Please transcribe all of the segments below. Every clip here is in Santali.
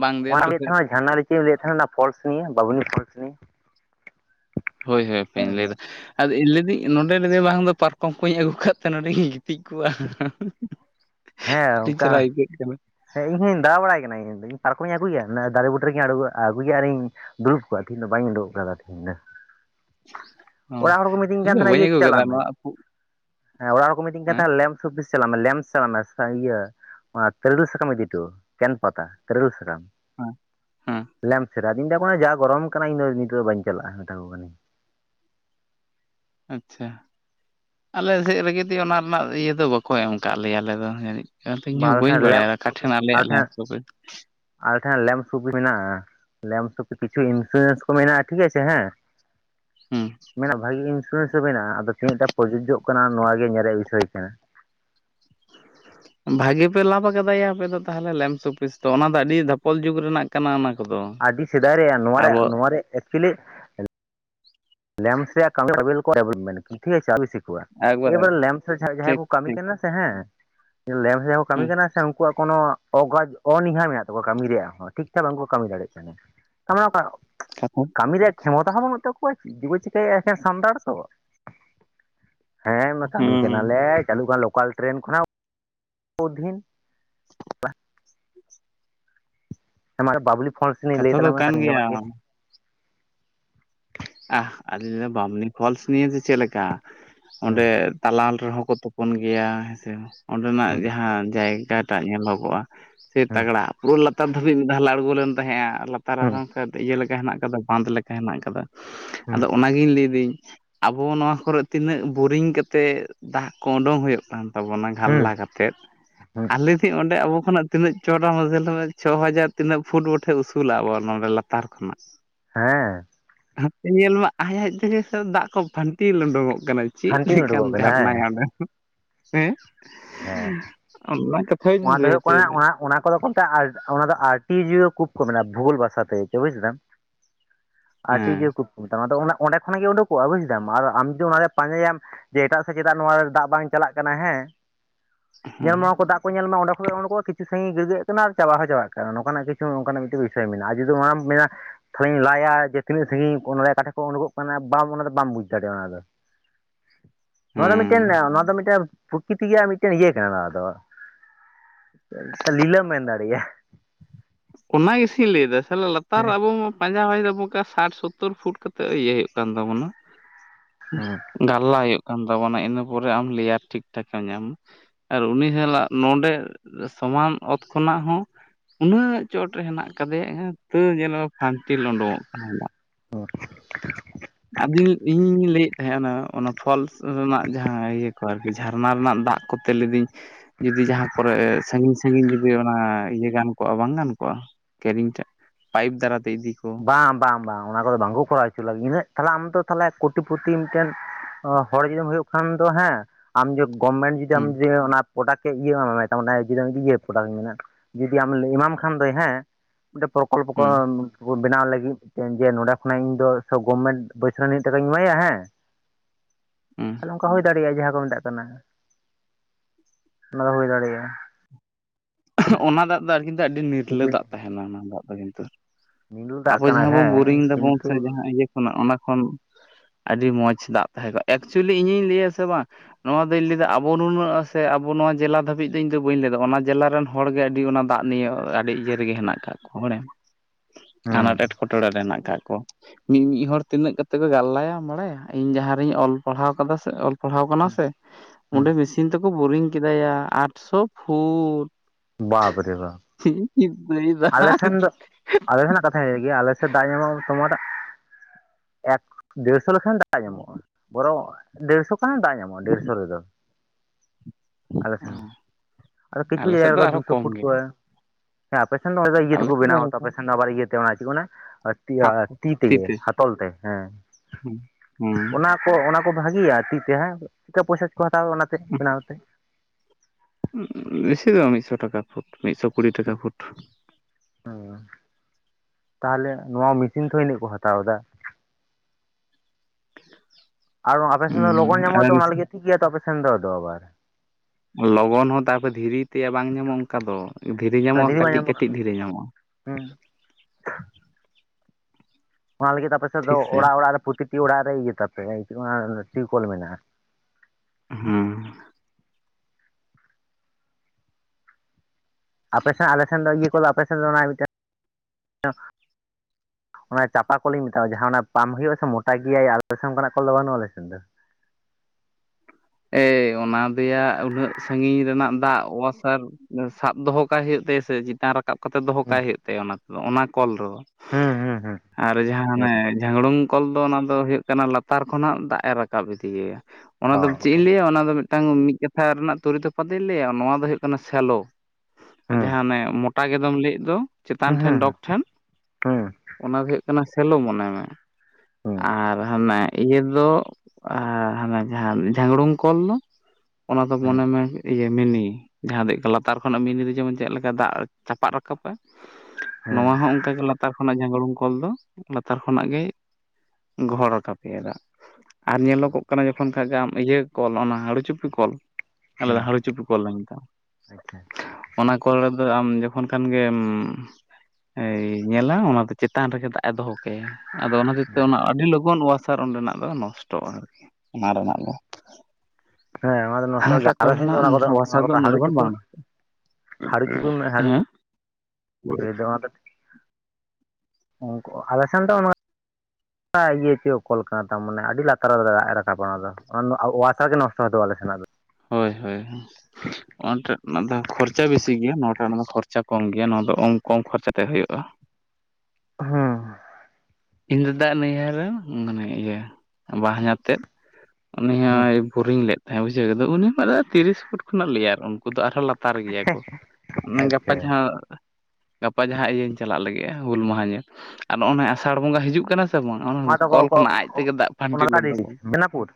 ᱵᱟᱝ ᱫᱮ ᱱᱚᱣᱟᱢ ᱞᱟᱹᱭᱮᱫ ᱱᱚᱰᱮ ᱛᱟᱦᱮᱸᱱᱟ ᱡᱷᱟᱨᱱᱟ ᱨᱮ ᱪᱮᱫ ᱮᱢ ᱞᱟᱹᱭᱮᱫ ᱛᱟᱦᱮᱸᱱᱟ ᱚᱱᱟ ᱯᱷᱚᱞᱥ ᱱᱤᱭᱮ ᱵᱟᱵᱩᱱᱤ ᱯᱷᱚᱞᱥ ᱱᱤᱭᱮ? ᱦᱳᱭ ᱦᱳᱭ ᱦᱟᱯᱮᱧ ᱞᱟᱹᱭᱮᱫᱟ᱾ ᱟᱫᱚ ᱤᱧ ᱞᱮᱫᱟᱹᱧ ᱱᱚᱸᱰᱮ ᱞᱮᱭᱫᱟᱹᱧ ᱵᱟᱝ ᱫᱚ ᱯᱟᱨᱠᱚᱢ ᱠᱚᱧ ᱟᱹᱜᱩ ᱠᱟᱫ ᱛᱮ ᱱᱚᱰᱮ ᱜᱤᱧ ᱜᱤᱛᱤᱡ ᱠᱚᱜ-ᱟ᱾ ᱦᱮᱸ ᱟᱹᱰᱤ ᱚᱱᱠᱟ ᱪᱮᱦᱨᱟ ᱟᱹᱭᱠᱟᱹᱜ ᱠᱟᱱᱟ᱾ ᱦᱮᱸ ᱤᱧ ᱦᱩᱧ ᱫᱟᱬᱟ ᱵᱟᱲᱟᱭ ᱠᱟᱱᱤᱧ, ᱤᱧ ᱫᱚᱧ ᱯᱟᱨᱠᱚᱢᱤᱧ ᱟᱹᱜᱩᱭ ᱜᱮᱭᱟ ᱢᱟᱱᱮ ᱫᱟᱨᱮ ᱵᱩᱴᱟᱹ ᱨᱮᱜᱮᱧ ᱟᱲᱜᱚᱜ-ᱟ ᱟᱜᱩᱭ ᱜᱮᱭᱟ ᱟᱨᱤᱧ ᱫᱩᱲᱩᱵ ᱠᱚᱜᱼᱟ, ᱛᱤᱦᱤᱧ ᱫᱚ ᱵᱟᱹᱧ ᱩᱰᱩᱠ ᱟᱠᱟᱫᱟ ᱛᱤᱦᱤᱧ ᱫᱚ᱾ ᱚ ᱚᱲᱟᱜ ᱦᱚᱲ ᱠᱚ ᱢᱤᱛᱟᱹᱧ ᱤᱧ ᱠᱟᱱ ᱫᱚ ᱛᱟᱦᱮᱸᱱᱟ ᱵᱟᱹᱧ ᱤᱭᱟᱹ ᱟᱹᱜᱩ ᱠᱟᱫᱟ ᱪᱟᱞᱟᱜ ᱢᱮ, ᱱᱚᱣᱟ ᱟᱹᱯᱩ ᱦᱮᱸ ᱚᱲᱟᱜ ᱦᱚᱲᱠᱚ ᱢᱤᱛᱟᱹᱧ ᱠᱟᱱ ᱦᱮᱸ ᱛᱟᱦᱮᱸ ᱞᱮᱢᱥ ᱚᱯᱷᱤᱥ ᱪᱟᱞᱟᱜ ᱢᱮ ᱞᱮᱢᱯᱥ ᱪᱟᱞᱟᱜ ᱢᱮ ᱤᱭᱟᱹ ᱚᱱᱟ [unintelligible] ᱥᱟᱠᱟᱢ ᱤᱫᱤ ᱦᱚᱴᱚ ᱠᱮᱱᱫ ᱯᱟᱛᱟ, ᱛᱮᱨᱮᱞ ᱥᱟᱠᱟᱢ, ᱦᱮᱸ ᱦᱮᱸ ᱞᱮᱢᱯ ᱥᱟᱨᱟ ᱫᱤᱱ ᱫᱚᱧ ᱢᱮᱛᱟᱠᱚ ᱠᱟᱱᱟ ᱡᱟ ᱜᱚᱨᱚᱢ ᱠᱟᱱᱟ ᱤᱧ ᱫᱚ ᱱᱤᱛᱚᱜ ᱫᱚ ᱰᱟᱹᱧ ᱪᱟᱞᱟᱜᱼᱟ, ᱢᱮᱛᱟ ᱠᱚ ᱠᱟᱹᱱᱟᱹᱧ᱾ ᱟᱪᱪᱷᱟ, ᱟᱞᱮ ᱥᱮᱫ ᱨᱮᱜᱮ ᱛᱚ ᱭᱟ ᱚᱱᱟ ᱨᱮᱱᱟᱜ ᱤᱭᱟᱹ ᱫᱚ ᱵᱟᱠᱚ ᱮᱢ ᱠᱟᱫ ᱞᱮᱭᱟ ᱟᱞᱮ ᱫᱚ ᱡᱟᱹᱱᱤᱡ᱾ ᱟᱨ ᱛᱚ ᱤᱧ ᱵᱟ ᱦᱚᱸ ᱟᱞᱮ ᱵᱟᱹᱧ ᱴᱷᱮᱱ ᱵᱟᱲᱟᱭᱟ ᱞᱮᱢᱯᱥ ᱟᱠᱟ ᱚᱯᱷᱤᱥ ᱴᱷᱮᱱ ᱟᱞᱮ ᱟᱞᱮᱭᱟᱜ ᱴᱷᱮᱱ ᱞᱮᱢᱯᱥ ᱚᱯᱷᱤᱥ, ᱟᱞᱮ ᱴᱷᱮᱱ ᱞᱮᱢᱯᱥ ᱚᱯᱤᱥ ᱢᱮᱱᱟᱜᱼᱟ, ᱞᱮᱢᱯᱥ ᱩᱯᱷᱤᱥ ᱠᱤᱪᱷᱩ ᱤᱱᱥᱩᱨᱮᱱᱥ ᱠᱚ ᱢᱮᱱᱟᱜ-ᱟ ᱴᱷᱤᱠ ᱟᱪᱮ ᱦᱮᱸ, ᱦᱩᱸ᱾ ᱢᱮᱱᱟᱜ-ᱟ ᱵᱷᱟᱜᱤ ᱤᱱᱥᱩᱨᱮᱱᱥ ᱦᱚᱸ ᱢᱮᱱᱟᱜ-ᱟ, ᱟᱫᱚ ᱛᱤᱱᱟᱹᱜ ᱴᱟ ᱯᱨᱚᱡᱳᱡᱡᱚᱜ ᱠᱟᱱᱟ ᱱᱚᱣᱟ ᱜᱮ ᱧᱮᱞ ᱨᱮᱭᱟᱜ ᱵᱤᱥᱚᱭ ᱠᱟᱱᱟ᱾ ᱵᱷᱟᱜᱮ ᱯᱮ ᱞᱟᱵᱷ ᱟᱠᱟᱫᱟᱭᱟ ᱟᱯᱮ ᱫᱚ ᱛᱟᱦᱚᱞᱮ ᱞᱮᱢᱯᱥ ᱚᱯᱷᱤᱥ ᱫᱚ ᱚᱱᱟ ᱫᱚ ᱟᱹᱰᱤ ᱫᱷᱟᱯᱚᱞ ᱡᱩᱜᱽ ᱨᱮᱱᱟᱜ ᱠᱟᱱᱟ ᱚᱱᱟ ᱠᱚᱫᱚ᱾ ᱟᱹᱰᱤ ᱥᱮᱫᱟᱭ ᱨᱮᱭᱟᱜ ᱱᱚᱣᱟ ᱟᱵᱚ ᱨᱮᱭᱟᱜ ᱱᱚᱣᱟᱨᱮ ᱮᱠᱪᱩᱞᱤ ᱞᱮᱢᱥ ᱨᱮᱭᱟᱜ ᱠᱟᱹᱢᱤ ᱮᱵᱮᱞ ᱮᱵᱮᱞ ᱠᱚ ᱰᱮᱵᱞᱳᱵᱢᱮᱱ [unintelligible] ᱠᱚᱣᱟ ᱮᱠᱵᱟᱨ ᱮᱵᱟᱨᱮ ᱮᱠᱵᱟᱨ ᱞᱮᱢᱥ ᱥᱮ ᱡᱟᱦᱟᱸᱭ ᱴᱷᱤᱠ ᱠᱚ ᱠᱟᱹᱢᱤ ᱴᱷᱤᱠ ᱠᱟᱱᱟ ᱥᱮ ᱦᱮᱸ ᱞᱮᱢᱯ ᱡᱟᱦᱟᱸ ᱠᱚ ᱠᱟᱹᱢᱤ ᱦᱩᱸ ᱠᱟᱱᱟ ᱥᱮ ᱩᱱᱠᱩᱣᱟᱜ ᱠᱳᱱᱳ ᱚᱜᱟᱡᱽ ᱚᱱᱤᱦᱟ ᱢᱮᱱᱟᱜ ᱛᱟᱠᱚᱣᱟ ᱠᱟᱹᱢᱤ ᱨᱮᱭᱟᱜ ᱦᱚᱸ ᱴᱷᱤᱠ ᱴᱷᱟᱠ ᱵᱟᱝᱠᱚ ᱠᱟᱹᱢᱤ ᱫᱟᱲᱮᱭᱟᱜ ᱠᱟᱱᱟ ᱛᱟᱨᱢᱟᱱᱮ ᱚᱠᱟ [unintelligible] ᱠᱟᱹᱢᱤ ᱨᱮᱭᱟᱜ ᱠᱷᱮᱢᱚᱛᱟ ᱦᱚᱸ ᱵᱟᱹᱱᱩᱜ ᱛᱟᱠᱚᱣᱟ ᱪᱮᱫ ᱡᱮ ᱠᱚ ᱪᱮᱠᱟᱭᱮᱫ ᱮᱠᱷᱮᱱ ᱥᱟᱱᱛᱟᱲ ᱛᱚ ᱾ ᱦᱮᱸ ᱢᱮ ᱠᱟᱢᱤ ᱦᱩᱸ ᱠᱟᱱᱟᱞᱮ ᱪᱟᱹᱞᱩᱜ ᱠᱷᱟᱱ ᱞᱳᱠᱟᱞ ᱴᱨᱮᱹᱱ ᱠᱷᱚᱱᱟᱜ ᱩᱫᱷᱤᱱ ᱾ [unintelligible] ᱵᱟᱵᱩᱞᱤ ᱯᱷᱚᱞᱥ ᱱᱤᱭᱮ ᱞᱟᱹᱭ ᱠᱟᱛᱷᱟ ᱫᱚ ᱛᱟᱞᱟᱝ ᱢᱮ ᱠᱟᱱ ᱠᱟᱹᱴᱤᱡ ᱜᱮᱭᱟ ᱟᱸᱡᱚᱢᱟᱜ ᱜᱮ ᱾ ᱟᱷ ᱟᱞᱤᱧ ᱫᱚ ᱵᱟᱢᱱᱤ ᱯᱷᱚᱞᱥ ᱱᱤᱭᱮ ᱫᱚ ᱪᱮᱫ ᱞᱮᱠᱟ ᱦᱩᱸ ᱚᱸᱰᱮ ᱫᱟᱞᱟᱞ ᱨᱮᱦᱚᱸ ᱠᱚ ᱛᱚᱯ ᱦᱚᱯᱚᱱ ᱜᱮᱭᱟ ᱦᱮᱸᱥᱮ ᱚᱸᱰᱮᱱᱟᱜ ᱦᱩᱸ ᱡᱟᱦᱟᱸ ᱡᱟᱭᱜᱟ ᱴᱟᱜ ᱧᱮᱞᱚᱜᱚᱜ-ᱟ ᱾ ᱥᱮᱭ ᱦᱩᱸ ᱛᱟᱜᱲᱟ ᱯᱩᱨᱟᱹ ᱞᱟᱛᱟᱨ ᱫᱷᱟᱹᱵᱤᱡ ᱢᱤᱫ ᱫᱷᱟᱞ ᱞᱮ ᱟᱬᱜᱚ ᱞᱮᱱ ᱛᱟᱦᱮᱸᱜ-ᱟ ᱞᱟᱛᱟᱨ ᱨᱮ ᱦᱩᱸ ᱟᱨᱦᱚ ᱚᱱᱠᱟ ᱤᱭᱟᱹ ᱞᱮᱠᱟ ᱦᱮᱱᱟᱜ ᱟᱠᱟᱫᱟ ᱾ ᱵᱟᱸᱫᱷ ᱞᱮᱠᱟ ᱦᱮᱱᱟᱜ ᱟᱠᱟᱫᱟ, ᱦᱩᱸ ᱟᱫᱚ ᱚᱱᱟ ᱜᱮ ᱤᱧ ᱞᱟᱹᱭᱫᱟᱹᱧ ᱟᱵᱚ ᱱᱚᱣᱟ ᱠᱚᱨᱮ ᱛᱤᱱᱟᱹᱜ ᱵᱳᱨᱤᱝ ᱠᱟᱛᱮᱫ ᱫᱟᱜ ᱠᱚ ᱩᱰᱝ ᱦᱩᱭᱩᱜ ᱠᱟᱱ ᱛᱟᱵᱚᱱᱟ ᱜᱷᱟᱞᱞᱟ ᱦᱩᱸ ᱠᱟᱛᱮᱫ ᱾ ᱦᱩᱸ ᱟᱨ ᱞᱟᱹᱭ ᱫᱤᱧ ᱚᱸᱰᱮ ᱟᱵᱚ ᱟᱵᱚ ᱠᱷᱚᱱᱟᱜ ᱛᱤᱱᱟᱹᱜ ᱪᱚᱴᱟ ᱢᱟᱥᱮ ᱞᱟᱹᱭᱢᱮ ᱪᱷᱚ ᱦᱟᱡᱟᱨ ᱛᱤᱱᱟᱹᱜ ᱯᱷᱩᱴ ᱵᱚᱴᱷᱮ ᱩᱥᱩᱞᱞᱟ ᱟᱵᱚ ᱱᱚᱸᱰᱮ ᱞᱟ ᱞᱟᱛᱟᱨ ᱠᱷᱚᱱᱟᱜ ᱾ ᱦᱮᱸ ᱾ ᱦᱟᱱᱛᱮ ᱧᱮᱞ ᱢᱮ ᱟᱡ ᱟᱡ ᱛᱮᱜᱮ ᱥᱟ ᱫᱟᱜ ᱠᱚ ᱯᱷᱟᱹᱱᱴᱤᱞ ᱚᱰᱚᱝ ᱚᱜ ᱠᱟᱱᱟ ᱾ ᱪᱮᱫ ᱠᱷᱟᱱᱴᱤ ᱞᱟᱹᱰᱩ ᱞᱮᱠᱟᱱ ᱜᱚᱜ ᱡᱷᱟᱨᱱᱟ ᱠᱟᱱᱟᱭ ᱭᱟ ᱚᱸᱰᱮ ᱫᱚ ᱦᱮᱸ, ᱦᱮᱸ ᱚᱱᱟ ᱠᱟᱛᱷᱟᱧ ᱚᱱᱟ ᱫᱚ ᱞᱟᱹᱭ ᱦᱩᱭᱩᱜ ᱠᱟᱱᱟ ᱦᱚᱪᱚᱭᱮᱫᱟ ᱚᱱᱟ ᱚᱱᱟ ᱠᱚᱫᱚ ᱠᱚ ᱚᱱᱟ ᱫᱚ ᱟᱨᱴᱤᱭ ᱡᱤᱨᱚ ᱠᱷᱩᱵ ᱠᱚ ᱢᱮᱱᱟ ᱵᱷᱩᱜᱚᱞ ᱵᱷᱟᱥᱟ ᱛᱮ ᱪᱚ ᱵᱩᱡ ᱫᱟᱢ ᱾ ᱟᱨ ᱴᱤ ᱦᱮᱸ ᱡᱤᱳ ᱠᱩᱯ ᱠᱚ ᱢᱮᱛᱟᱜ-ᱟ ᱚᱱᱟ ᱫᱚ ᱚᱱᱟ ᱚᱸᱰᱮ ᱠᱷᱚᱱᱟᱜ ᱜᱮ ᱩᱰᱩᱠᱚᱜ-ᱟ ᱵᱩᱡ ᱫᱟᱢ ᱟᱨ ᱟᱢ ᱡᱩᱫᱤ ᱚᱱᱟᱨᱮ ᱯᱟᱸᱡᱟᱭᱟᱢ ᱡᱮ ᱮᱴᱟᱜ ᱥᱮᱫ ᱪᱮᱫᱟᱜ ᱱᱚᱣᱟ ᱫᱟᱜ ᱵᱟᱝ ᱪᱟᱞᱟᱜ ᱠᱟᱱᱟ ᱦᱮᱸ ᱦᱮᱸ ᱧᱮᱞ ᱱᱚᱣᱟ ᱠᱚ ᱫᱟᱜ ᱠᱚ ᱧᱮᱞ ᱢᱟ ᱚᱸᱰᱮ ᱠᱷᱚᱡ ᱚᱰᱚᱠᱚᱜ-ᱟ ᱠᱤᱪᱷᱩ ᱥᱟᱺᱜᱤᱧ ᱜᱩᱲᱫᱟᱹᱜ ᱟᱨ ᱪᱟᱵᱟ ᱦᱚᱸ ᱪᱟᱵᱟᱜ ᱠᱟᱱᱟ ᱱᱚᱠᱟᱱᱟᱜ ᱠᱤᱪᱷᱩ ᱱᱚᱠᱟᱱᱟᱜ ᱢᱤᱫᱴᱤᱡ ᱜᱮ ᱦᱤᱥᱟᱹᱯ ᱢᱮᱱᱟᱜ-ᱟ ᱡᱩᱫᱤ ᱚᱱᱟ ᱦᱚᱢ ᱢᱮᱱᱟ ᱛᱟᱦᱚᱞᱮᱧ ᱞᱟᱭᱟ ᱡᱮ ᱛᱤᱱᱟᱹᱜ ᱥᱟᱺᱜᱤᱧ ᱚᱱᱟ ᱨᱮ ᱚᱠᱟ ᱴᱷᱮᱡ ᱠᱷᱚᱱ ᱩᱰᱩᱠᱚᱜ ᱠᱟᱱᱟ ᱵᱟᱢ ᱚᱱᱟ ᱫᱚ ᱵᱟᱢ ᱵᱩᱡᱽ ᱫᱟᱲᱮᱜ-ᱟ ᱚᱱᱟ ᱫᱚ ᱾ ᱱᱚᱣᱟ ᱫᱚ ᱦᱮᱸ ᱢᱤᱫᱴᱮᱱ ᱱᱚᱣᱟ ᱫᱚ ᱢᱤᱫᱴᱮᱱ ᱯᱨᱚᱠᱤᱛᱤ ᱨᱮᱭᱟᱜ ᱢᱤᱫᱴᱮᱱ ᱤᱭᱟᱹ ᱠᱟᱱᱟ ᱱᱚᱣᱟ ᱫᱚ ᱾ ᱞᱤᱞᱟᱹᱢ ᱢᱮᱱ ᱫᱟᱲᱮᱜᱼᱟ ᱾ ᱚᱱᱟ ᱜᱮᱥᱤᱧ ᱞᱟᱹᱭ ᱮᱫᱟ ᱥᱟᱞᱟ ᱞᱟᱛᱟᱨ ᱟᱵᱚ ᱢᱟ ᱯᱟᱸᱡᱟ ᱵᱟᱭ ᱫᱟᱵᱚ ᱾ ᱠᱟ ᱥᱟᱴ ᱥᱳᱛᱳᱨ ᱯᱷᱩᱴ ᱠᱟᱛᱮ ᱤᱭᱟᱹ ᱦᱩᱭᱩᱜ ᱠᱟᱱ ᱛᱟᱵᱚᱱᱟ ᱾ [unintelligible] ᱦᱮᱸ ᱞᱟ ᱦᱩᱭᱩᱜ ᱠᱟᱱ ᱛᱟᱵᱚᱱᱟ ᱤᱱᱟᱹ ᱯᱚᱨᱮ ᱟᱢ ᱞᱮᱭᱟᱨ ᱴᱷᱤᱠ ᱴᱷᱟᱠ ᱮᱢ ᱧᱟᱢᱟ ᱾ ᱟᱨ ᱩᱱᱤ ᱦᱮᱞᱟᱜ ᱱᱚᱸᱰᱮ ᱥᱚᱢᱟᱱ ᱚᱛ ᱠᱷᱚᱱᱟᱜ ᱦᱚᱸ ᱩᱱᱟᱹᱜ ᱪᱚᱴ ᱨᱮ ᱦᱮᱱᱟᱜ ᱟᱠᱟᱫᱮᱭᱟᱮ [unintelligible] ᱛᱟᱹᱣ ᱧᱮᱞ ᱢᱮ ᱯᱷᱟᱱᱴᱤᱞ ᱩᱰᱩᱝᱚᱜ ᱠᱟᱱᱟ ᱫᱟᱜ ᱾ ᱦᱚ ᱾ [inaudible] ᱟᱫᱚ ᱤᱧᱤᱧ ᱞᱟᱹᱭᱮᱫ ᱛᱟᱦᱮᱸᱫᱱᱟ ᱚᱱᱟ ᱚᱱᱟ ᱯᱷᱚᱞᱥ ᱨᱮᱱᱟᱜ ᱡᱟᱦᱟᱸ ᱤᱭᱟᱹ ᱠᱚ ᱟᱨᱠᱤ ᱡᱷᱟᱨᱱᱟ ᱨᱮᱱᱟᱜ ᱫᱟᱜ ᱠᱚᱛᱮ ᱞᱤᱫᱤᱧ ᱡᱩᱫᱤ ᱡᱟᱦᱟᱸ ᱠᱚᱨᱮ ᱥᱟᱺᱜᱤᱧ ᱥᱟᱺᱜᱤᱧ ᱡᱩᱫᱤ ᱚᱱᱟ ᱤᱭᱟᱹ ᱜᱟᱱ ᱠᱚᱜᱼᱟ ᱵᱟᱝ ᱜᱟᱱ ᱠᱚᱜ-ᱟ? ᱠᱮᱨᱤᱝ ᱴᱟᱜ ᱯᱟᱭᱤᱯ ᱫᱟᱨᱟᱛᱮ ᱤᱫᱤ ᱠᱚ? ᱵᱟᱝ ᱵᱟᱝ ᱵᱟᱝ ᱚᱱᱟ ᱠᱚᱫᱚ ᱵᱟᱝᱠᱚ ᱠᱚᱨᱟᱣ ᱚᱪᱚ ᱞᱟᱹᱜᱤᱫ ᱤᱱᱟᱹᱜ ᱛᱟᱦᱞᱮ ᱟᱢ ᱛᱚ ᱛᱟᱦᱚᱞᱮ ᱠᱳᱴᱤ ᱯᱨᱚᱛᱤ ᱢᱤᱫᱴᱮᱱ ᱦᱚᱲ ᱡᱩᱫᱤᱢ ᱦᱩᱭᱩᱜ ᱠᱷᱟᱱ ᱫᱚ ᱦᱮᱸ ᱟᱢ ᱡᱚᱵ ᱜᱚᱨᱢᱮᱱᱴ ᱡᱩᱫᱤ ᱦᱩᱸ ᱟᱢ ᱡᱩᱫᱤ ᱚᱱᱟ ᱯᱨᱚᱰᱟᱠᱴ ᱮ ᱤᱭᱟᱹ ᱟᱢᱟᱭ ᱢᱮᱛᱟᱢ ᱚᱱᱮ ᱡᱩᱫᱤᱢ ᱤᱭᱟᱹ ᱯᱨᱚᱰᱟᱠᱴ ᱤᱧ ᱢᱮᱱᱟᱜ ᱡᱩᱫᱤ ᱟᱢ ᱮᱢᱟᱢ ᱠᱷᱟᱱ ᱫᱚᱭ ᱦᱮᱸ ᱢᱤᱫᱴᱮᱱ ᱯᱨᱚᱠᱚᱞᱯ ᱠᱚ ᱦᱩᱸ ᱵᱮᱱᱟᱣ ᱞᱟᱹᱜᱤᱫ ᱛᱮ ᱡᱮ ᱱᱚᱸᱰᱮ ᱠᱷᱚᱱᱟᱜ ᱤᱧ ᱫᱚ ᱥᱚᱵ ᱜᱚᱵᱷᱢᱮᱱᱴ ᱯᱚᱭᱥᱟ ᱱᱤᱱᱟᱹᱜ ᱴᱟᱠᱟᱧ ᱮᱢᱟᱭᱟ ᱦᱮᱸ ᱾ ᱦᱩᱸ ᱾ ᱚᱱᱠᱟ ᱦᱩᱭ ᱫᱟᱲᱮᱭᱟᱜᱼᱟ ᱡᱟᱦᱟᱸ ᱠᱚ ᱢᱮᱛᱟᱜ ᱠᱟᱱᱟ, ᱚᱱᱟ ᱫᱚ ᱦᱩᱭ ᱫᱟᱲᱮᱭᱟᱜᱼᱟ ᱾ ᱚᱱᱟ ᱫᱟᱜ ᱫᱚ ᱟᱨ ᱠᱤᱱᱛᱩ ᱟᱹᱰᱤ ᱱᱤᱨᱞᱟᱹ ᱡᱩᱫᱤ ᱫᱟᱜ ᱛᱟᱦᱮᱱᱟ ᱚᱱᱟ ᱫᱟᱜ ᱫᱚ ᱠᱤᱱᱛᱩ ᱧᱤᱫᱟᱹ ᱾ ᱫᱟᱜ ᱟᱵᱚ ᱠᱟᱱᱟ ᱡᱟᱦᱟᱸ ᱵᱚᱱ ᱦᱮᱸ ᱵᱳᱨᱤᱝ ᱫᱟᱵᱚᱱ ᱥᱮ ᱠᱤᱱᱛᱩ ᱡᱟᱦᱟᱸ ᱤᱭᱟᱹ ᱠᱷᱚᱱᱟᱜ ᱚᱱᱟ ᱠᱷᱚᱱ ᱟᱹᱰᱤ ᱢᱚᱸᱡᱽ ᱫᱟᱜ ᱛᱟᱦᱮᱸ ᱠᱚᱜᱼᱟ ᱮᱠᱪᱩᱭᱮᱞᱤ ᱤᱧᱤᱧ ᱞᱟᱹᱭᱟ ᱥᱮ ᱵᱟᱝ ᱱᱚᱣᱟ ᱫᱚᱧ ᱞᱟᱹᱭᱫᱟ ᱟᱵᱚ ᱱᱩᱱᱟᱹᱜ ᱥᱮ ᱟᱵᱚ ᱱᱚᱣᱟ ᱡᱮᱞᱟ ᱫᱷᱟᱹᱵᱤᱡ ᱫᱚ ᱤᱧ ᱫᱚ ᱵᱟᱹᱧ ᱞᱟᱹᱭᱫᱟ ᱚᱱᱟ ᱡᱮᱞᱟ ᱨᱮᱱ ᱦᱚᱲ ᱜᱮ ᱟᱹᱰᱤ ᱚᱱᱟ ᱫᱟᱜ ᱱᱤᱭᱮ ᱟᱹᱰᱤ ᱤᱭᱟᱹ ᱨᱮᱜᱮ ᱦᱮᱱᱟᱜ ᱟᱠᱟᱫ ᱠᱚᱣᱟ ᱵᱟᱲᱟᱭᱟᱢ? ᱦᱮᱸ ᱟᱱᱟᱴ ᱮᱴᱠᱮᱴᱚᱸᱬᱮ ᱨᱮ ᱦᱮᱱᱟᱜ ᱠᱟᱜ ᱠᱚᱣᱟ ᱢᱤᱫ ᱢᱤᱫ ᱦᱚᱲ ᱛᱤᱱᱟᱹᱜ ᱠᱟᱛᱮ ᱠᱚ ᱜᱟᱞᱞᱟᱭᱟ ᱵᱟᱲᱟᱭᱟ ᱤᱧ ᱡᱟᱦᱟᱸ ᱨᱤᱧ ᱚᱞ ᱯᱟᱲᱦᱟᱣ ᱠᱟᱫᱟ ᱥᱮ ᱚᱞᱼᱼ ᱯᱟᱲᱦᱟᱣ ᱟᱠᱟᱱᱟ ᱥᱮ ᱦᱮᱸ ᱚᱸᱰᱮ ᱢᱮᱥᱤᱱ ᱛᱮ ᱠᱚ ᱵᱳᱨᱤᱝ ᱠᱮᱫᱟᱭᱟ ᱟᱴᱥᱚ ᱯᱷᱩᱴ ᱾ ᱵᱟᱯ ᱨᱮ ᱵᱟᱵᱼᱼ ᱦᱮᱸ [unintelligible] ᱟᱞᱮ ᱥᱮᱱ ᱫᱚᱼᱼ ᱟᱞᱮ ᱥᱮᱱᱟᱜ ᱠᱟᱛᱷᱟ ᱞᱟᱹᱭ ᱞᱮᱜᱮ ᱟᱞᱮ ᱥᱮᱫ ᱫᱟᱜ ᱧᱟᱢᱚᱜᱼᱟ ᱛᱚᱵᱟ ᱫᱟᱜ ᱮᱠ ᱰᱮᱲᱥᱚ ᱞᱮᱠᱷᱟᱱ ᱫᱟᱜᱼᱼ ᱫᱟᱜ ᱧᱟᱢᱚᱜᱼᱟ ᱵᱚᱨᱚᱝ ᱰᱮᱲᱥᱚ ᱠᱷᱚᱱᱟᱜ ᱫᱟᱜ ᱧᱟᱢᱚᱜᱼᱟ ᱰᱮᱲᱥᱚ ᱨᱮ ᱫᱚᱼᱼ ᱟᱞᱮ ᱥᱮᱱ ᱟᱫᱚ ᱠᱤᱪᱷᱩ ᱟᱞᱮ ᱡᱟᱭᱜᱟ ᱥᱮᱫ ᱨᱮ ᱫᱚ ᱟᱨᱦᱚᱸ ᱫᱩᱥᱚ ᱠᱚᱢ ᱯᱷᱩᱴ ᱜᱮ ᱠᱚ ᱨᱮ ᱟᱨ ᱟᱯᱮ ᱥᱮᱼᱼ ᱤᱭᱟᱹ ᱛᱮ ᱟᱞᱮ ᱠᱚ ᱥᱮᱫ ᱫᱚ ᱵᱮᱱᱟᱣᱟ ᱟᱨᱦᱚᱸ ᱛᱚ ᱟᱯᱮ ᱠᱚᱢ ᱥᱮᱱ ᱫᱚ ᱟᱵᱟᱨ ᱤᱭᱟᱹ ᱛᱮ ᱚᱱᱟ ᱪᱮᱫ ᱠᱚ ᱢᱮᱱᱟ ᱛᱤ ᱦᱟᱯ [unintelligible] ᱛᱤ ᱛᱮᱜᱮ ᱦᱟᱛᱚᱞ ᱛᱮ ᱦᱮᱸ ᱦᱩᱸ ᱦᱩᱸ ᱚᱱᱟᱼᱼ ᱠᱚ ᱚᱱᱟ ᱠᱚ ᱵᱷᱟᱜᱤᱭᱟ ᱛᱤ ᱛᱮ ᱦᱮᱸ ᱪᱮᱫᱠᱟ ᱯᱚᱭᱥᱟ ᱠᱚ ᱦᱟᱛᱟᱣᱟ ᱚᱱᱟ ᱛᱮ ᱵᱮᱱᱟᱣ ᱛᱮᱼᱼᱼ ᱵᱮᱥᱤ ᱫᱚ ᱵᱟᱝᱼᱟ ᱢᱤᱫᱥᱚ ᱴᱟᱠᱟ ᱯᱷᱩᱴ ᱢᱤᱫᱥᱚ ᱠᱩᱲᱤ ᱴᱟᱠᱟ ᱯᱷᱩᱴ ᱾ ᱦᱩᱸ ᱛᱟᱦᱚᱞᱮ ᱱᱚᱣᱟ ᱢᱮᱥᱤᱱ ᱛᱮ ᱦᱚᱸ ᱤᱱᱟᱹᱜ ᱠᱚ ᱦᱟᱛᱟᱣ ᱮᱫᱟ᱾ [inaudible] ᱟᱨ ᱟᱯᱮ ᱥᱮᱱ ᱫᱚ ᱞᱚᱜᱚᱱ ᱧᱟᱢᱚᱜᱼᱟ ᱛᱚ ᱦᱮᱸ ᱚᱱᱟ ᱞᱟᱹᱜᱤᱫ ᱴᱷᱤᱠ ᱜᱮᱭᱟ ᱛᱚ ᱟᱯᱮ ᱥᱮᱱ ᱫᱚ ᱟᱵᱟᱨᱼᱼ ᱞᱚᱜᱚᱱ ᱦᱚᱸ ᱛᱟᱨᱯᱚᱨᱮ ᱫᱷᱤᱨᱤ ᱛᱮᱭᱟᱜ ᱵᱟᱝ ᱧᱟᱢᱚᱜᱼᱟ ᱚᱱᱠᱟ ᱫᱚ ᱫᱷᱤᱨᱤ ᱧᱟᱢᱚᱜᱼᱟ ᱠᱟᱹᱴᱤᱡ ᱠᱟᱹᱴᱤᱡ ᱫᱷᱤᱨᱤ ᱧᱟᱢᱚᱜᱼᱟ ᱾ ᱦᱮᱸ ᱚᱱᱟ ᱞᱟᱹᱜᱤᱫ ᱟᱯᱮ ᱥᱮᱫ ᱫᱚ ᱴᱷᱤᱠ ᱥᱮ ᱚᱲᱟᱜ ᱚᱲᱟᱜ ᱨᱮ ᱯᱨᱚᱛᱤᱴᱤ ᱚᱲᱟᱜ ᱨᱮ ᱤᱭᱟᱹ ᱛᱟᱯᱮ ᱚᱱᱟ ᱴᱤᱭᱩ ᱠᱚᱞ ᱢᱮᱱᱟᱜᱼᱟ ᱾ ᱦᱩᱸᱻ ᱟᱯᱮ ᱥᱮᱱ ᱟᱞᱮ ᱥᱮᱱ ᱫᱚ ᱤᱭᱟᱹ ᱠᱚᱞ ᱫᱚ ᱟᱯᱮ ᱥᱮᱱ ᱫᱚ ᱚᱱᱟ ᱢᱤᱫᱴᱮᱱᱼᱼ ᱚᱱᱟ ᱪᱟᱯᱟ ᱠᱚᱞᱤᱧ ᱢᱮᱛᱟᱣᱟ ᱡᱟᱦᱟᱸ ᱚᱱᱟ ᱯᱟᱢᱯ ᱦᱩᱭᱩᱜᱼᱟ ᱥᱮ ᱢᱚᱴᱟ ᱜᱮᱭᱟᱭ ᱟᱞᱮ ᱥᱮᱱ ᱚᱱᱠᱟᱱᱟᱜ ᱠᱚᱞ ᱫᱚ ᱵᱟᱹᱱᱩᱜᱼᱟ ᱟᱞᱮ ᱥᱮᱱ ᱫᱚ ᱾ ᱮᱭ ᱚᱱᱟ ᱫᱚᱭᱟ ᱩᱱᱟᱹᱜ ᱥᱟᱺᱜᱤᱧ ᱨᱮᱱᱟᱜ ᱫᱟᱜ ᱚᱣᱟᱥᱟᱨᱼᱼ ᱥᱟᱵ ᱫᱚ ᱦᱚ ᱠᱟᱜ ᱦᱩᱭᱩᱜ ᱛᱟᱭᱟ ᱥᱮ ᱪᱮᱛᱟᱱ ᱨᱟᱠᱟᱼᱼ ᱨᱟᱠᱟᱵ ᱠᱟᱛᱮ ᱫᱚᱦᱚ ᱦᱩᱸ ᱠᱟᱭ ᱦᱩᱭᱩᱜ ᱛᱟᱭᱟ ᱚᱱᱟ ᱛᱮ ᱫᱚ ᱚᱱᱟ ᱠᱚᱞ ᱫᱚ ᱦᱩᱸ ᱦᱩᱸ ᱟᱨ ᱡᱟᱦᱟᱸ ᱦᱩᱸ ᱦᱟᱱᱮᱼᱼ ᱡᱟᱸᱦᱟ ᱦᱩᱲᱩᱝ ᱠᱚᱞ ᱫᱚ ᱚᱱᱟ ᱫᱚ ᱦᱩᱭᱩᱜ ᱠᱟᱱᱟ ᱞᱟᱛᱟᱨ ᱠᱷᱚᱱᱟᱜ ᱫᱟᱜ ᱮ ᱨᱟᱠᱟᱵ ᱤᱫᱤᱭᱮᱭᱟ ᱚᱱᱟ ᱚ ᱫᱚᱼᱼ ᱤᱧ ᱞᱟᱹᱭᱟ ᱚᱱᱟ ᱫᱚ ᱢᱤᱫᱴᱟᱝ ᱢᱤᱫ ᱠᱟᱛᱷᱟ ᱨᱮᱱᱟᱜ ᱛᱩᱨᱤᱛᱚᱯᱟᱛ ᱤᱧ ᱞᱟᱹᱭᱟ ᱱᱚᱣᱟ ᱫᱚ ᱦᱩᱭᱩᱜ ᱠᱟᱱᱟ ᱥᱮᱞᱚ᱾ ᱦᱩᱸ ᱡᱟᱦᱟᱸ ᱚᱱᱮ ᱢᱳᱴᱟ ᱜᱮ ᱫᱚᱢ ᱞᱟᱹᱭ ᱮᱫ ᱫᱚ ᱦᱩᱸ ᱪᱮᱛᱟᱱ ᱦᱩᱸ ᱴᱷᱮᱱ ᱦᱩᱸ ᱰᱚᱜ ᱴᱷᱮᱱᱼᱼ ᱚᱱᱟ ᱫᱚ ᱦᱩᱭᱩᱜ ᱠᱟᱱᱟ ᱥᱮᱞᱚ ᱢᱚᱱᱮ ᱢᱮ ᱟᱨ ᱦᱟᱱᱮᱼᱼ ᱤᱭᱟᱹ ᱫᱚ ᱦᱟᱱᱟ ᱡᱟᱦᱟᱸ ᱡᱷᱟᱸᱝᱲᱩᱝ ᱠᱚᱞ ᱫᱚᱼᱼ ᱚᱱᱟ ᱫᱚ ᱦᱩᱸ ᱢᱚᱱᱮ ᱢᱮ ᱤᱭᱟᱹᱼᱼ ᱢᱤᱱᱤ ᱡᱟᱦᱟᱸ ᱫᱚ ᱦᱩᱭᱩᱜ ᱞᱟᱛᱟᱨ ᱠᱷᱚᱱᱟᱜ ᱢᱤᱱᱤ ᱫᱚ ᱡᱮᱢᱚᱱ ᱪᱮᱫ ᱞᱮᱠᱟ ᱫᱟᱜ ᱪᱟᱯᱟᱫ ᱨᱟᱠᱟᱵᱟᱼᱼ ᱦᱩᱸ ᱱᱚᱣᱟ ᱦᱚᱸ ᱚᱱᱠᱟ ᱜᱮ ᱞᱟᱛᱟᱨ ᱠᱷᱚᱱᱟᱜ ᱡᱷᱟᱜᱲᱩᱢ ᱠᱚᱞ ᱫᱚ ᱞᱟᱛᱟᱨ ᱠᱷᱚᱱᱟᱜ ᱜᱮᱼᱼ ᱜᱚᱦᱚᱲ ᱨᱟᱠᱟᱵ ᱯᱮᱭᱟ ᱫᱟᱜ ᱟᱨ ᱦᱩᱸ ᱧᱮᱞᱚᱜᱚᱜ ᱠᱟᱱᱟ ᱡᱚᱠᱷᱚᱱ ᱠᱷᱟᱱ ᱜᱮ ᱟᱢᱼᱼ ᱤᱭᱟᱹ ᱠᱚᱞ ᱚᱱᱟ ᱦᱟᱹᱲᱩ ᱪᱩᱯᱤ ᱠᱚᱞ ᱟᱞᱮ ᱫᱚ ᱦᱩᱸ ᱦᱟᱹᱲᱩ ᱪᱩᱯᱤ ᱠᱚᱞ ᱞᱮ ᱢᱮᱛᱟᱜᱼᱟ [unintelligible] ᱚᱱᱟ ᱠᱚ ᱨᱮ ᱫᱚ ᱟᱢ ᱡᱚᱠᱷᱚᱱ ᱠᱷᱟᱱ ᱜᱮᱢᱼᱼ ᱮᱭ ᱧᱮᱞᱟ ᱚᱱᱟ ᱫᱚ ᱪᱮᱛᱟᱱ ᱨᱮ ᱜᱮ ᱫᱟᱜ ᱮ ᱫᱚᱦᱚ ᱠᱟᱭᱟ ᱟᱫᱚ ᱚᱱᱟ ᱠᱷᱟᱛᱤᱨ ᱛᱮ ᱚᱱᱟ ᱟᱹᱰᱤ ᱞᱚᱜᱚᱱ ᱚᱣᱟᱥᱟᱨ ᱚᱸᱰᱮᱱᱟᱜ ᱫᱚ ᱱᱚᱥᱴᱚᱜᱼᱟ [unintelligible] ᱚᱱᱟ ᱨᱮᱱᱟᱜ ᱫᱚᱼᱼ [inaudible] ᱦᱮᱸ ᱚᱱᱟ ᱱᱚᱥᱴᱚᱜ ᱜᱮᱭᱟ ᱟᱞᱮ ᱥᱮᱱ ᱫᱚ ᱚᱱᱟ ᱠᱚ ᱫᱚ ᱚᱣᱟᱥᱟᱨ [unintelligible] ᱩᱱᱟᱹᱜ ᱦᱟᱹᱲᱩ ᱞᱚᱜᱚᱱ ᱪᱩᱯᱤ ᱵᱟᱝ ᱦᱟᱹᱲᱩ ᱪᱩᱯᱤ ᱢᱮ ᱦᱟᱲᱩ ᱪᱩᱯᱤ ᱢᱮ ᱦᱮᱸ [unintelligible] ᱟᱞᱮᱥᱚᱱ ᱫᱚ [unintelligible] ᱤᱭᱟᱹ ᱪᱚᱭ ᱠᱚᱞ ᱠᱟᱱᱟ ᱛᱟᱢ ᱢᱟᱱᱮ ᱟᱹᱰᱤ ᱞᱟᱛᱟᱨ ᱨᱮ ᱫᱟᱜ ᱮ ᱨᱟᱠᱟᱵᱟ ᱚᱱᱟ ᱫᱚ ᱚᱱᱟ ᱚᱣᱟᱥᱟᱨ ᱜᱮ ᱱᱚᱥᱴᱚ ᱦᱚᱫᱚᱜ ᱼ ᱟ ᱟᱞᱮ ᱥᱮᱱᱟᱜ ᱫᱚᱼᱼ ᱦᱳᱭ ᱦᱳᱭ ᱚᱱᱟᱴᱟᱜ ᱫᱚ ᱠᱷᱚᱨᱪᱟ ᱵᱮᱥᱤ ᱜᱮᱭᱟ [unintelligible] ᱚᱱᱟ ᱠᱷᱚᱨᱪᱟ ᱠᱚᱢ ᱜᱮᱭᱟ ᱱᱚᱣᱟ ᱫᱚ ᱚᱝ ᱠᱚᱝ ᱠᱚᱢ ᱠᱷᱚᱨᱪᱟ ᱛᱮ ᱦᱳᱭᱳᱜᱼᱟ ᱦᱩᱸ ᱤᱧ ᱫᱟᱫᱟ ᱟᱜ ᱱᱟᱹᱭᱦᱟᱹᱨ ᱨᱮ ᱢᱟᱱᱮ ᱤᱭᱟᱹ ᱵᱟᱧᱦᱟᱨ ᱛᱮᱫ ᱩᱱᱤ ᱦᱚᱸᱭᱼᱼ ᱵᱳᱨᱤᱝ ᱞᱮᱫ ᱛᱟᱦᱮᱸ ᱵᱩᱡᱷᱟᱹᱣ [unintelligible] ᱛᱤᱨᱤᱥ ᱯᱷᱩᱴ ᱠᱷᱚᱱᱟᱜ ᱞᱮᱭᱟᱨ ᱩᱱᱠᱩ ᱫᱚ ᱟᱨᱦᱚᱸ ᱞᱟᱛᱟᱨᱼᱼ ᱞᱟᱛᱟᱨ ᱜᱮᱭᱟ ᱠᱚ ᱢᱟᱱᱮ ᱜᱟᱯᱟ ᱟᱪᱪᱷᱟ ᱡᱟᱦᱟᱸ, ᱜᱟᱯᱟ ᱡᱟᱦᱟᱸ ᱤᱭᱟᱹᱧ ᱪᱟᱞᱟᱜ ᱞᱟᱹᱜᱤᱫᱼᱟ ᱦᱩᱞ ᱢᱟᱦᱟ ᱧᱮᱞ ᱟᱨ ᱱᱚᱜᱼᱚᱱᱟ ᱟᱥᱟᱲ ᱵᱚᱸᱜᱟ ᱦᱤᱡᱩᱜ ᱠᱟᱱᱟᱼᱼ ᱥᱮ ᱵᱟᱝ ᱚᱱᱟ ᱱᱚᱣᱟ ᱫᱚ ᱠᱚᱞ ᱚᱠᱚ ᱚᱠᱚ- ᱠᱷᱚᱱᱟᱜ ᱟᱡ ᱚ- ᱛᱮᱜᱮ ᱫᱟᱜ ᱚᱱᱟ ᱫᱚ ᱯᱷᱟᱱᱴᱤᱞ ᱚᱠᱟ ᱰᱤᱥᱴᱤᱠ ᱳᱰᱳᱝᱚᱜᱼᱟ᱾ ᱵᱮᱱᱟᱯᱩᱨ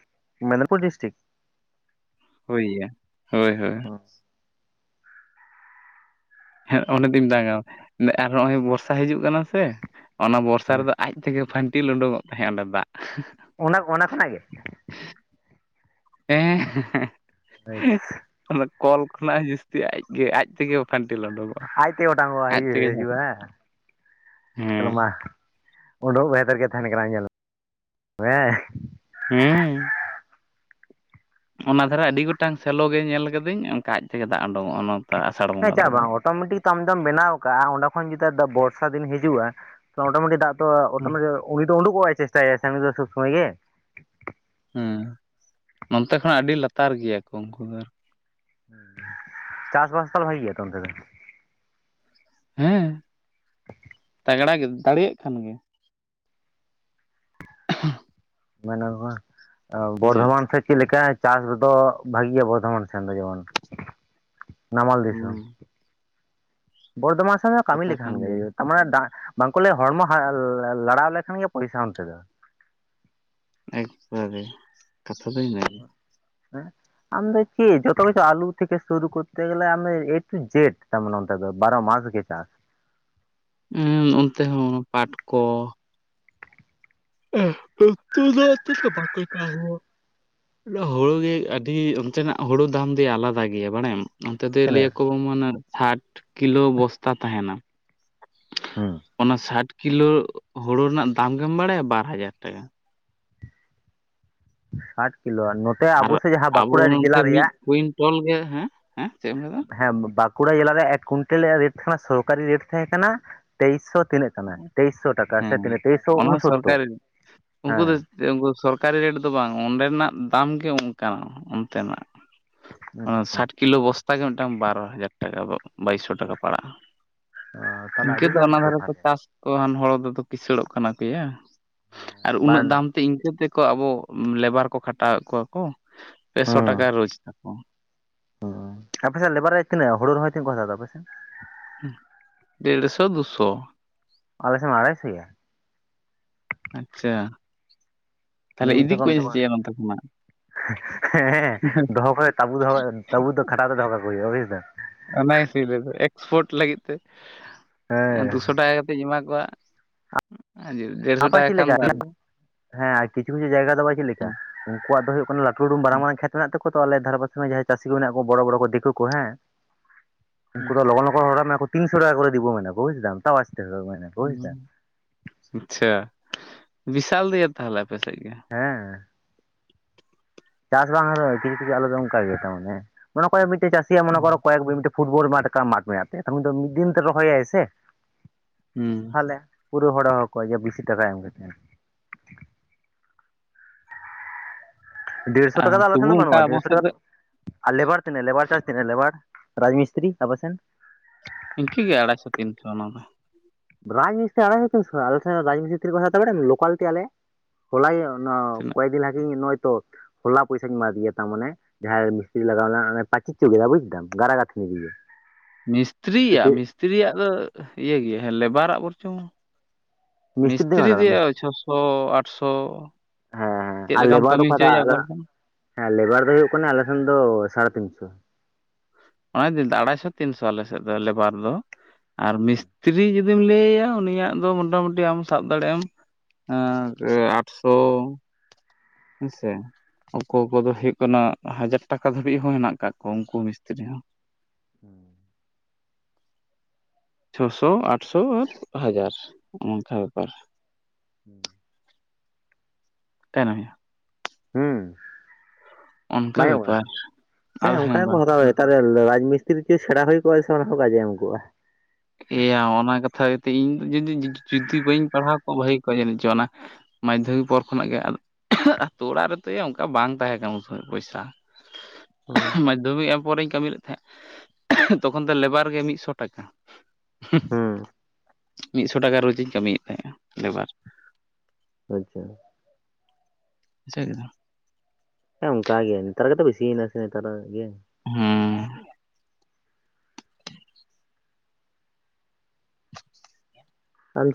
ᱢᱮᱫᱽᱱᱤᱯᱩᱨ ᱰᱤᱥᱴᱤᱠ ᱦᱳᱭᱭᱟ ᱦᱳᱭ ᱦᱳᱭ ᱦᱚᱢ ᱦᱮᱸ ᱩᱱᱤ ᱫᱚ ᱤᱧ [unintelligible] ᱟᱨ ᱱᱚᱜᱼᱚᱭ ᱵᱚᱨᱥᱟ ᱦᱤᱡᱩᱜ ᱠᱟᱱᱟ ᱥᱮ ᱚᱱᱟ ᱵᱚᱨᱥᱟ ᱨᱮᱫᱚ ᱟᱡᱼᱼ ᱛᱮᱜᱮ ᱯᱷᱟᱹᱱᱴᱤᱞ ᱩᱰᱩᱠᱚᱜ ᱛᱟᱦᱮᱸᱜ ᱚᱸᱰᱮ ᱫᱟᱜ᱾ ᱚᱱᱟ ᱚᱱᱟ ᱠᱷᱚᱱᱟᱜ ᱜᱮ? ᱦᱮᱸ ᱦᱮᱸ ᱦᱮᱸ᱾ [unintelligible] ᱚᱱᱟ ᱠᱚᱞ ᱠᱷᱚᱱᱟᱜ ᱡᱟᱹᱥᱛᱤ ᱟᱡᱜᱮ ᱟᱡ ᱛᱮᱜᱮᱼᱼ ᱟᱡᱛᱮ ᱚᱴᱟᱝᱚᱜᱼᱟ ᱤᱭᱟᱹ ᱡᱷᱟᱨ ᱦᱤᱡᱩᱜ ᱟ ᱦᱮᱸᱼᱼ ᱦᱮᱸ ᱢᱟ ᱩᱰᱩᱠ ᱵᱷᱮᱛᱟᱨ ᱜᱮ ᱛᱟᱦᱮᱱ ᱠᱟᱱᱟ ᱧᱮᱞ ᱢᱮ ᱦᱮᱸ ᱦᱮᱸᱻ ᱚᱱᱟ ᱫᱷᱟᱨᱮ ᱟᱹᱰᱤ ᱜᱚᱴᱟᱝ ᱥᱮᱞᱳ ᱜᱮ ᱧᱮᱞ ᱠᱟᱹᱫᱟᱹᱧ ᱚᱱᱠᱟ ᱟᱡ ᱛᱮᱜᱮ ᱫᱟᱜ ᱚᱰᱳᱝᱚᱜᱼᱟ ᱚᱱᱟ, ᱦᱮᱸ ᱪᱟᱜ ᱵᱟᱝᱼᱼ ᱚᱴᱳᱢᱮᱴᱤᱠ ᱟᱢ ᱫᱚᱢ ᱵᱮᱱᱟᱣ ᱠᱟᱜᱼᱟ ᱚᱸᱰᱮ ᱠᱷᱚᱱ ᱡᱩᱫᱤ ᱵᱚᱨᱥᱟ ᱫᱤᱱ ᱦᱤᱡᱩᱜᱼᱟ ᱚᱴᱚᱢᱮᱴᱤᱠ ᱫᱟᱜᱼᱼ ᱛᱚ ᱛᱚ ᱚᱴᱚᱢᱮᱴᱤᱠ ᱩᱱᱤ ᱫᱚ ᱩᱰᱩᱠᱚᱜᱼᱟᱭ ᱪᱮᱥᱴᱟᱭ ᱥᱮ ᱩᱱᱤ ᱫᱚ ᱥᱚᱵᱽ ᱥᱚᱢᱚᱭ ᱜᱮ, ᱦᱮᱸ ᱱᱚᱱᱛᱮ ᱠᱷᱚᱱᱟᱜ ᱟᱹᱰᱤ ᱞᱟᱛᱟᱨ ᱜᱮᱭᱟ ᱠᱚ ᱩᱱᱠᱩ ᱫᱚ ᱟᱨᱠᱤ᱾ ᱪᱟᱥᱵᱟᱥ ᱛᱚ ᱵᱷᱟᱜᱮ ᱜᱮᱭᱟᱛᱚ ᱚᱱᱛᱮ ᱫᱚ? ᱦᱮᱸ ᱛᱟᱜᱽᱲᱟ ᱜᱮ ᱫᱟᱲᱮᱭᱟᱜ ᱠᱷᱟᱱ ᱜᱮ [inaudible] [unintelligible] ᱵᱩᱡᱷᱟᱹᱣ ᱵᱚᱨᱫᱷᱚᱢᱟᱱ ᱥᱮᱫ ᱪᱮᱫ ᱞᱮᱠᱟ ᱪᱟᱥ ᱫᱚ ᱵᱷᱟᱜᱤᱭᱟ ᱵᱚᱨᱫᱷᱚᱢᱟᱱᱼᱼ ᱥᱮᱱ ᱫᱚ ᱡᱮᱢᱚᱱ ᱱᱟᱢᱟᱞ ᱫᱤᱥᱚᱢ᱾ ᱦᱩᱸ ᱵᱚᱨᱫᱷᱚᱢᱟᱱ ᱥᱮᱱ ᱠᱟᱹᱢᱤ ᱠᱟᱛᱷᱟ ᱞᱮᱠᱷᱟᱱ ᱠᱟᱱ ᱜᱮ ᱜᱮᱭᱟ ᱛᱟᱨᱢᱟᱱᱮ ᱫᱟᱜᱼᱼ ᱵᱟᱝᱠᱚ ᱞᱟᱹᱭᱟ ᱦᱚᱲᱢᱚ ᱞᱟᱲᱟᱣ ᱞᱮᱠᱷᱟᱱ ᱜᱮ ᱯᱚᱭᱥᱟ ᱚᱱᱛᱮ ᱫᱚᱼᱼ ᱮᱠᱵᱟᱨᱮ ᱠᱟᱛᱷᱟ ᱫᱚ ᱤᱱᱟᱹ ᱜᱮ᱾ ᱦᱮᱸ ᱟᱢ ᱫᱚ ᱪᱮᱫ ᱡᱚᱛᱚ ᱠᱤᱪᱷᱩ ᱟᱞᱩ ᱛᱷᱮᱠᱮ ᱥᱩᱨᱩ ᱠᱚᱨᱛᱮ ᱜᱮᱞᱮ ᱟᱢ ᱮᱴᱩ ᱡᱮᱴ ᱛᱟᱢᱟᱱᱼᱼ ᱵᱟᱨᱚ ᱢᱟᱥ ᱜᱮ ᱪᱟᱥ᱾ ᱩᱸ ᱚᱱᱛᱮ ᱦᱚᱸ ᱯᱟᱴ ᱠᱚᱼᱼ [unintelligible] ᱦᱩᱲᱩ ᱜᱮ ᱟᱹᱰᱤ ᱚᱱᱛᱮᱱᱟᱜ ᱦᱩᱲᱩ ᱫᱟᱢ ᱫᱚᱭᱟ ᱟᱞᱟᱫᱟ ᱜᱮᱭᱟ ᱵᱟᱲᱟᱭᱟᱢ? ᱚᱱᱛᱮ ᱫᱚᱭ ᱞᱟᱹᱭᱟ ᱛᱤᱱᱟᱹᱜ ᱠᱚ ᱢᱟᱱᱮ ᱥᱟᱴ ᱠᱤᱞᱳ ᱵᱚᱥᱛᱟ ᱛᱟᱦᱮᱱᱟ᱾ ᱦᱩᱸ ᱚᱱᱟ ᱥᱟᱴ ᱠᱤᱞᱳ ᱦᱳᱲᱳ ᱨᱮᱱᱟᱜ ᱫᱟᱢ ᱜᱮᱢ ᱵᱟᱲᱟᱭᱟ ᱵᱟᱨ ᱦᱟᱡᱟᱨ ᱴᱟᱠᱟ᱾ ᱥᱟᱴ ᱠᱤᱞᱳ ᱱᱚᱛᱮ ᱟᱵᱚ ᱥᱮᱫ ᱡᱟᱦᱟᱸ ᱵᱟᱸᱠᱩᱲᱟ ᱡᱮᱞᱟ ᱨᱮᱭᱟᱜᱼᱼ ᱴᱚᱱ ᱜᱮᱭᱟ ᱦᱮᱸ ᱦᱮᱸ ᱪᱮᱫ ᱮᱢ ᱞᱟᱹᱭ? ᱦᱮᱸ ᱵᱟᱸᱠᱩᱲᱟ ᱡᱮᱞᱟ ᱨᱮᱭᱟᱜ ᱮᱠ ᱠᱩᱭᱱᱴᱮᱞ ᱨᱮᱭᱟᱜ ᱨᱮᱴ ᱠᱟᱱᱟ ᱥᱚᱨᱠᱟᱨᱤ ᱨᱮᱴ ᱛᱟᱦᱮᱸ ᱠᱟᱱᱟ ᱛᱮᱭᱤᱥᱥᱚ ᱛᱤᱱᱟᱹᱜ? ᱠᱟᱱᱟ ᱛᱮᱭᱤᱥᱥᱚ ᱴᱟᱠᱟ ᱦᱮᱸ ᱥᱮ ᱛᱤᱱᱟᱹᱜ ᱛᱮᱭᱤᱥᱥᱚ ᱩᱱᱥᱚᱛᱛᱳᱨ ᱦᱮᱸ, ᱡᱮ ᱩᱱᱠᱩ ᱥᱚᱨᱠᱟᱨᱤ ᱨᱮᱴ ᱫᱚ ᱵᱟᱝ ᱚᱸᱰᱮᱱᱟᱜ ᱫᱟᱢ ᱜᱮ ᱚᱱᱠᱟᱱᱟᱜ ᱚᱱᱛᱮᱱᱟᱜ᱾ ᱚᱱᱟ ᱥᱟᱴ ᱠᱤᱞᱳ ᱵᱚᱥᱛᱟ ᱜᱮ ᱢᱤᱫᱴᱟᱝ ᱵᱟᱨᱳ ᱦᱟᱡᱟᱨ ᱴᱟᱠᱟ ᱵᱟᱭᱤᱥᱥᱚ ᱴᱟᱠᱟ ᱯᱟᱲᱟᱜᱼᱟ᱾ ᱛᱟᱦᱚᱞᱮ ᱤᱱᱠᱟᱹ ᱟᱹᱰᱤ ᱫᱚ ᱞᱟᱵᱷ ᱚᱱᱟ ᱫᱷᱟᱨᱮ ᱠᱚ ᱛᱟᱦᱚᱞᱮ ᱪᱟᱥ ᱠᱚᱼᱟᱱ ᱦᱚᱲ ᱫᱚ ᱠᱤᱥᱟᱹᱲᱚᱜ ᱠᱟᱱᱟ ᱠᱚᱭᱟ, ᱟᱨ ᱩᱱᱟᱹᱜ ᱵᱟᱝ ᱫᱟᱢᱼᱼ ᱤᱱᱠᱟᱹ ᱛᱮᱠᱚ ᱟᱵᱚ ᱞᱮᱵᱟᱨ ᱠᱚ ᱠᱷᱟᱴᱟᱣᱮᱫ ᱠᱚᱣᱟ ᱠᱚ ᱯᱮᱥᱚ ᱴᱟᱠᱟ ᱨᱳᱡᱽ ᱛᱟᱠᱚᱼᱼ ᱦᱳᱭ ᱟᱯᱮ ᱥᱮᱫ ᱞᱮᱵᱟᱨ ᱨᱮ ᱛᱤᱱᱟᱹᱜ ᱦᱳᱲᱳ ᱨᱚᱦᱚᱭ ᱛᱤᱱᱟᱹᱜ ᱠᱚ ᱦᱟᱛᱟᱣ ᱫᱟ ᱟᱯᱮ ᱥᱮᱫ? ᱦ ᱰᱮᱲᱥᱚ, ᱫᱩᱥᱚ, ᱟᱞᱮ ᱥᱮ ᱟᱲᱟᱭ ᱥᱚᱭᱟ ᱟᱪᱪᱷᱟ᱾ ᱛᱟᱦᱚᱞᱮ ᱱᱤᱭᱟᱹ ᱤᱫᱤ ᱵᱚᱪᱷᱚᱨ ᱠᱚ ᱢᱮᱱ ᱠᱚᱧ ᱫᱟᱠᱚ ᱪᱮᱫᱼᱟ ᱱᱚᱛ ᱠᱷᱱᱟᱜ? ᱦᱮᱸ ᱫᱚᱦᱚ ᱠᱷ ᱛᱟᱵᱩ ᱫᱚᱦᱚ ᱛᱟᱵᱩ ᱫᱚ ᱠᱷᱟᱴᱟᱣ ᱫᱚ ᱫᱚᱦᱚ ᱠᱟᱠᱚ ᱦᱩᱭᱩᱜᱼᱟ ᱵᱩᱡᱼᱼ ᱚᱱᱟ ᱜᱤᱥᱤᱧ ᱞᱟᱹᱭ ᱮᱫᱟ ᱮᱠᱥᱯᱳᱴ ᱞᱟᱹᱜᱤᱫᱼᱼ ᱫᱩᱥᱚ ᱦᱮᱸ ᱴᱟᱠᱟ ᱠᱟᱛᱮᱧ ᱮᱢᱟ ᱠᱚᱣᱟ ᱾ ᱟᱯᱟᱪᱤ ᱞᱮᱠᱟ ᱦᱮᱸ ᱟᱨ ᱠᱤᱪᱷᱩ ᱠᱤᱪᱷᱩ ᱡᱟᱭᱜᱟ ᱫᱚ ᱵᱟᱭ ᱪᱮᱫ ᱞᱮᱠᱟ ᱦᱩᱸ ᱩᱱᱠᱩᱣᱟᱜ ᱫᱚ ᱦᱩᱭᱩᱜ ᱠᱟᱱᱟ ᱩᱰᱩᱢ ᱢᱟᱨᱟᱝ-ᱢᱟᱨᱟᱝ ᱠᱷᱮᱛ ᱢᱮᱱᱟᱜ ᱛᱟᱠᱚᱣᱟ ᱛᱚ ᱟᱞᱮ ᱫᱷᱟᱨᱮ ᱯᱟᱥᱮ ᱨᱮ ᱡᱟᱦᱟᱸᱭ ᱪᱟᱹᱥᱤ ᱠᱚ ᱢᱮᱱᱟᱜ ᱠᱚᱣᱟ ᱵᱚᱲᱚ ᱵᱚᱲᱚ ᱠᱚ ᱫᱤᱠᱩ ᱠᱚ ᱦᱮᱸ ᱦᱩᱸ ᱩᱱᱠᱩ ᱫᱚ ᱞᱚᱜᱚᱱ ᱞᱚᱜᱚᱱ ᱦᱚᱲᱚ ᱢᱮᱭᱟᱠᱚ ᱛᱤᱱᱥᱚ ᱴᱟᱠᱟ ᱠᱚ ᱨᱮ ᱫᱮᱵᱚ ᱢᱮᱱᱟ ᱠᱚ ᱵᱩᱡ ᱫᱟᱢ ᱛᱟᱣ ᱟᱥᱛᱮ ᱦᱚᱵᱮᱠ ᱵᱩᱡ ᱫᱟᱢ ᱦᱩᱸ ᱟᱪᱪᱷᱟ ᱵᱤᱥᱟᱞ ᱫᱚᱭᱟ ᱛᱟᱦᱚᱞᱮ ᱟᱯᱮ ᱥᱮᱫ ᱜᱮ ᱦᱮᱸ ᱪᱟᱥ ᱵᱟᱝᱼᱟ ᱛᱚ [unintelligible] ᱟᱞᱮ ᱫᱚ ᱚᱝᱠᱟ ᱜᱮ ᱛᱟᱨᱢᱟᱱᱮ [unintelligible] ᱢᱤᱫᱴᱤᱡ ᱢᱟᱹᱥᱤᱭᱟᱜ [unintelligible] ᱯᱷᱩᱴᱵᱚᱞ ᱢᱟᱴᱠᱟ ᱢᱟᱴ [unintelligible] ᱢᱤᱫ ᱫᱤᱱ ᱛᱮ ᱨᱚᱦᱚᱭᱟᱭ ᱥᱮ ᱦᱩᱸ ᱛᱟᱦᱮ ᱯᱩᱨᱟᱹ ᱦᱚᱲᱮ ᱦᱚᱦᱚ ᱠᱚᱣᱟ ᱡᱮ ᱵᱤᱥᱤ ᱴᱟᱠᱟ ᱮᱢ ᱠᱟᱛ ᱾ ᱰᱮᱲᱥᱚ ᱟᱨ ᱴᱟᱠᱟ ᱫᱚ ᱟᱞᱮ ᱥᱮᱱ ᱛᱚᱵᱩ ᱫᱟ ᱚᱱᱠᱟ ᱵᱟᱹᱱᱩᱜᱼᱟ ᱟᱵᱚ ᱰᱮᱲᱥᱚ ᱥᱮᱫ ᱴᱟᱠᱟ ᱫᱚ ᱟᱨ ᱞᱮᱵᱟᱨ ᱛᱤᱱᱟᱜ ᱞᱮᱵᱟᱨ ᱪᱟᱨᱡ ᱛᱤᱱᱟᱹᱜ ᱞᱮᱵᱟᱨ ᱨᱟᱡᱽ ᱢᱤᱥᱛᱨᱤ ᱟᱯᱮ ᱥᱮᱱ ᱾ ᱤᱱᱠᱟᱹ ᱜᱮ ᱟᱲᱟᱭ ᱥᱚ ᱛᱤᱱᱥᱚ ᱚᱱᱟ ᱫᱚ ᱾ ᱨᱟᱡᱽ ᱢᱤᱥᱛᱤᱨᱤ ᱟᱲᱟᱭᱥᱚ ᱛᱤᱱᱥᱚ ᱟᱞᱮ ᱥᱮᱱ ᱫᱚ ᱨᱟᱡᱽ ᱢᱤᱥᱛᱤᱨᱤ ᱛᱤᱱᱟᱹᱜ ᱠᱚ ᱦᱟᱛᱟᱣᱟ ᱵᱟᱲᱟᱭᱟᱵᱤᱱ ᱞᱳᱠᱟᱞ ᱛᱮ ᱟᱞᱮ ᱦᱚᱞᱟᱭ ᱚᱱᱟ ᱛᱤᱱᱟᱹᱜ ᱠᱚᱭ ᱫᱤᱱ ᱞᱟᱦᱟ ᱠᱤᱧ ᱱᱚᱭ ᱛᱚ ᱦᱚᱞᱟ ᱯᱚᱭᱥᱟᱧ ᱮᱢᱟ ᱫᱮᱭᱟ ᱛᱟᱢ ᱢᱟᱱᱮ ᱡᱟᱦᱟᱸᱭ ᱢᱤᱥᱛᱤᱨᱤ ᱞᱟᱜᱟᱣ ᱞᱮᱱᱟ [unintelligible] ᱵᱩᱡᱷᱫᱟᱢ ᱜᱟᱨᱟ ᱜᱟᱛᱷᱱᱤᱫᱤᱭᱮ ᱢᱤᱥᱛᱨᱤᱭᱟᱜ, ᱢᱤᱥᱛᱤᱨᱤᱭᱟᱜ ᱫᱚ ᱤᱭᱟᱹ ᱜᱮ ᱦᱮᱸ ᱞᱮᱵᱟᱨᱟᱜ ᱵᱚᱨᱪᱚᱢ ᱛᱤᱱᱟᱹᱜ ᱠᱚ ᱢᱤᱥᱛᱨᱤ ᱦᱟᱛᱟᱣ ᱫᱟ ᱫᱚᱭᱟ ᱢᱤᱥᱛᱨᱤ ᱪᱷᱚᱥᱚ, ᱟᱴᱥᱚ ᱦᱮᱸ ᱦᱮᱸ ᱪᱮᱫ ᱟᱨ ᱞᱮᱠᱟᱢ ᱞᱮᱵᱟᱨ ᱠᱟᱹᱢᱤ ᱫᱚᱠᱚ ᱦᱚᱪᱚᱭᱟ ᱚᱱᱠᱟ ᱦᱟᱛᱟᱣᱟ ᱞᱮᱠᱟᱢ ᱦᱮᱸ ᱞᱮᱵᱟᱨ ᱫᱚ ᱦᱩᱭᱩᱜ ᱠᱟᱱᱟ ᱟᱞᱮ ᱥᱮᱱ ᱫᱚ ᱥᱟᱲᱮᱛᱤᱱᱥᱚ᱾ ᱚᱱᱟ ᱫᱤᱱ ᱟᱲᱟᱭᱥᱚ ᱛᱤᱱᱥᱚ ᱟᱞᱮ ᱥᱮᱫ ᱫᱚ ᱞᱮᱵᱟᱨ ᱫᱚ ᱟᱨ ᱢᱤᱥ ᱛᱤᱨᱤ ᱡᱩᱫᱤᱢ ᱞᱟᱹᱭᱟᱹᱭᱟ ᱩᱱᱤᱭᱟᱜ ᱫᱚ ᱢᱚᱴᱟᱢᱩᱴᱤ ᱟᱢ ᱥᱟᱵ ᱫᱟᱲᱮᱭᱟᱜ ᱟᱢ ᱟ ᱮᱸ ᱟᱴᱥᱚ, ᱦᱮᱸᱥᱮ ᱚᱠᱚᱭ ᱠᱚᱫᱚ ᱦᱩᱭᱩᱜ ᱠᱟᱱᱟ ᱦᱟᱡᱟᱨ ᱴᱟᱠᱟ ᱫᱷᱟᱹᱵᱤᱡ ᱦᱚᱸ ᱦᱮᱱᱟᱜ ᱠᱟᱜ ᱠᱚᱣᱟ ᱩᱱᱠᱩ ᱢᱤᱥ ᱛᱤᱨᱤ ᱦᱚᱸ ᱾ ᱦᱮᱸ ᱾ ᱪᱷᱚᱥᱚ, ᱟᱴᱥᱚ ᱟᱨ ᱦᱟᱡᱟᱨ ᱚᱱᱠᱟ ᱵᱮᱯᱟᱨ ᱾ ᱦᱩᱸ ᱾ [unintelligible] ᱦᱢ ᱚᱱᱠᱟ ᱵᱟᱭ ᱟᱸᱢᱚᱢᱚᱜ ᱵᱮᱯᱟᱨ [unintelligible] ᱦᱮᱸ ᱟᱫᱚ ᱚᱱᱠᱟ ᱜᱮᱠᱚ ᱵᱟᱝ ᱦᱟᱛᱟᱣ ᱛᱟᱨᱮ ᱨᱟᱡᱽ ᱢᱤᱥᱛᱤᱨᱤ ᱪᱮ ᱥᱮᱬᱟ ᱦᱩᱭ ᱠᱚᱜᱼᱟ ᱥᱮ ᱚᱱᱟ ᱦᱚᱸ ᱠᱟᱡᱮ ᱮᱢ ᱠᱚᱜᱼᱟ᱾ ᱮᱭᱟ ᱚᱱᱟ ᱠᱟᱛᱷᱟ ᱤᱮᱛᱮ ᱤᱧᱤ ᱡᱤ ᱡᱤ ᱡᱤ ᱡᱩᱫᱤ ᱵᱟᱹᱧ ᱯᱟᱲᱦᱟᱣ ᱠᱚᱜ ᱵᱷᱟᱹᱜᱤ ᱠᱚᱜᱼᱟ ᱡᱟᱹᱱᱤᱡ ᱪᱚᱝ ᱚᱱᱟ ᱢᱟᱫᱽᱫᱷᱚᱢᱤᱠ ᱯᱚᱨ ᱠᱷᱚᱱᱟᱜ ᱜᱮ ᱟᱛᱳ ᱚᱲᱟᱜ ᱨᱮᱛᱮ ᱚᱱᱠᱟ ᱵᱟᱝ ᱛᱟᱦᱮᱸ ᱠᱟᱱᱟ ᱩᱱ ᱥᱚᱢᱚᱭ ᱯᱚᱭᱥᱟ᱾ [inaudible] ᱦᱩᱸ ᱾ ᱢᱟᱫᱽᱫᱷᱚᱢᱤᱠ ᱮᱢ ᱯᱚᱨᱮᱧ ᱠᱟᱹᱢᱤ ᱞᱮᱫ ᱛᱟᱦᱮᱸᱫ ᱛᱚᱠᱷᱚᱱ ᱫᱚ ᱞᱮᱵᱟᱨ ᱜᱮ ᱢᱤᱫᱥᱚ ᱴᱟᱠᱟ᱾ ᱦᱩᱸ ᱢᱤᱫᱥᱚ ᱴᱟᱠᱟ ᱨᱳᱡᱤᱧ ᱠᱟᱹᱢᱤᱭᱮᱫ ᱛᱟᱦᱮᱸᱜᱼᱟ ᱞᱮᱵᱟᱨ ᱾ ᱟᱪᱪᱷᱟ ᱾ [unintelligible] ᱦᱮᱸ ᱚᱱᱠᱟ ᱜᱮ ᱱᱮᱛᱟᱨ ᱜᱮᱛᱚ ᱵᱮᱥᱤᱭᱮᱱᱟ ᱥᱮ ᱱᱮᱛᱟᱨ ᱜᱮ ᱾ ᱦᱢ᱾ ᱟᱢ